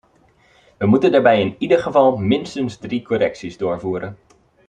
We moeten daarbij in ieder geval minstens drie correcties doorvoeren.